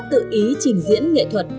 tự ý trình diễn nghệ thuật